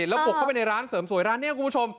แล้วบุกเข้าไปในร้านเสริมสวยร้านนี้คุณผู้ชม